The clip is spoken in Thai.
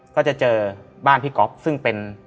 ก็จะเจอบ้านพี่ก๊อฟซึ่งเป็น